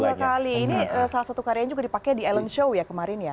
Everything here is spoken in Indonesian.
iya kali ini salah satu karyanya juga dipakai di ellen show ya kemarin ya